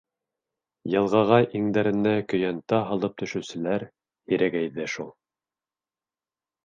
Йылғаға иңдәренә көйәнтә һалып төшөүселәр һирәгәйҙе шул.